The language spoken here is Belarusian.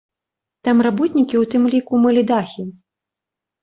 Там работнікі у тым ліку мылі дахі.